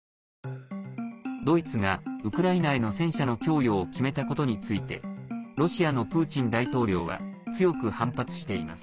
ドイツがウクライナへの戦車の供与を決めたことについてロシアのプーチン大統領は強く反発しています。